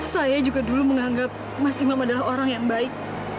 saya juga dulu menganggap mas imam adalah orang yang baik